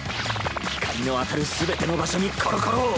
光の当たる全ての場所にコロコロを。